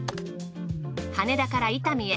羽田から伊丹へ。